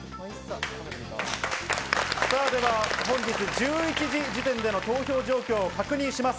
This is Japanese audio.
では本日１１時時点での投票状況を確認します。